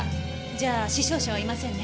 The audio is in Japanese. じゃあ死傷者はいませんね。